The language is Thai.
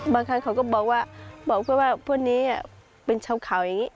บางครั้งเขาก็บอกว่าพวกนี้เป็นชาวข่าวอย่างนี้